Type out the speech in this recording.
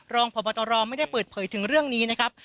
รองพบตรไม่ได้เปิดเผยถึงเรื่องนี้นะครับ